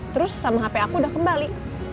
terus sama hp aku udah kembali